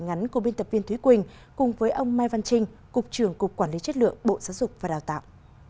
ngắn của biên tập viên thúy quỳnh cùng với ông mai văn trinh cục trưởng cục quản lý chất lượng bộ giáo dục và đào tạo